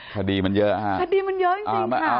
คดีมันเยอะฮะคดีมันเยอะจริง